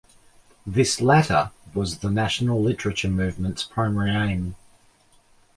This latter was the National Literature movement's primary aim.